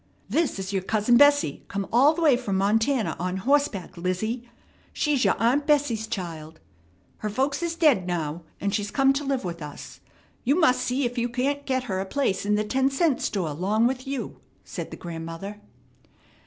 "This is your cousin Bessie, come all the way from Montana on horseback, Lizzie. She's your aunt Bessie's child. Her folks is dead now, and she's come to live with us. You must see ef you can't get her a place in the ten cent store 'long with you," said the grandmother.